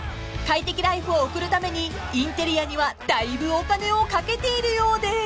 ［快適ライフを送るためにインテリアにはだいぶお金をかけているようで］